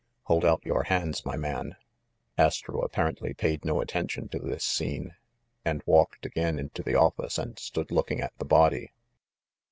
"Hold out your hands, my man !" Astro apparently paid no attention to this scene, and walked again into the office and stood looking at the body.